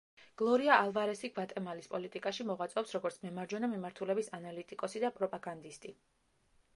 გლორია ალვარესი გვატემალის პოლიტიკაში მოღვაწეობს როგორც მემარჯვენე მიმართულების ანალიტიკოსი და პროპაგანდისტი.